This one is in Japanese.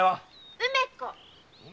梅子？